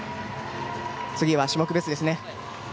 次は種目別ですね。